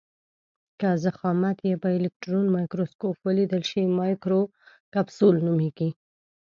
که ضخامت یې په الکټرون مایکروسکوپ ولیدل شي مایکروکپسول نومیږي.